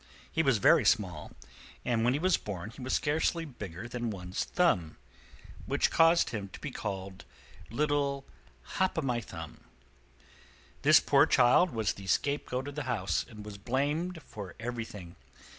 He was very small, and when he was born he was scarcely bigger than one's thumb, which caused him to be called little "Hop o' My Thumb." This poor child was the scapegoat of the house, and was blamed for everything.